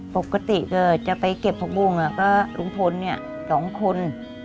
ปกติก็จะไปเก็บผักบุ้งก็ลุงพล๒คน